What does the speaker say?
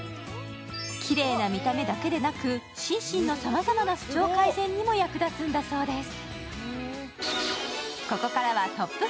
きれいな見た目だけでなく心身のさまざまな不調改善にも役立つんだそうです。